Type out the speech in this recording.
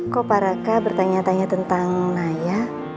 kok pak raka bertanya tanya tentang naya